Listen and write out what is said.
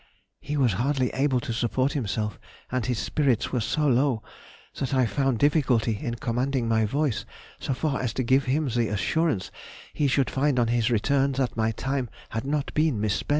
He was hardly able to support himself, and his spirits were so low, that I found difficulty in commanding my voice so far as to give him the assurance he should find on his return that my time had not been misspent.